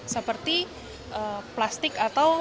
seperti plastik atau